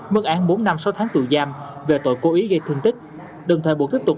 mức án bốn năm sáu tháng tù giam về tội cố ý gây thương tích đồng thời buộc tiếp tục